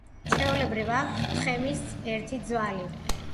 ჩვეულებრივ აქვთ თხემის ერთი ძვალი.